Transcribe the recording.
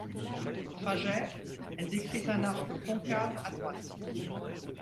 Trajet: Elle décrit un arc concave à droite.